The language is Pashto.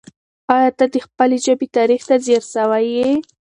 آیا ته د خپلې ژبې تاریخ ته ځیر سوی یې؟